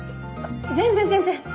全然全然！